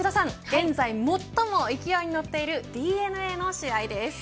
現在、最も勢いに乗っているＤｅＮＡの試合です。